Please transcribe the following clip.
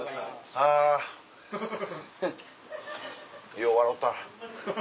よう笑うた。